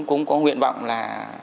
cũng có nguyện vọng là